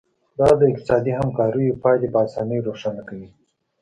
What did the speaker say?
دا د اقتصادي همکاریو پایلې په اسانۍ روښانه کوي